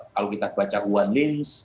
kalau kita baca wan lin